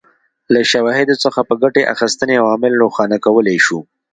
له شواهدو څخه په ګټې اخیستنې عوامل روښانه کولای شو.